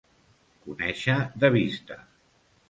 Conèixer de vista.